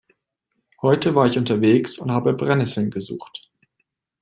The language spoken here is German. Heute war ich unterwegs und habe Brennesseln gesucht.